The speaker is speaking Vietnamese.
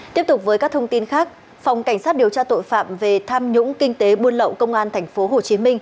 tiếp tục với các thông tin khác phòng cảnh sát điều tra tội phạm về tham nhũng kinh tế buôn lậu công an tp hcm